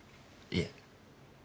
いえ。